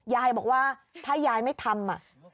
ยายบอกว่าถ้ายายไม่ทำ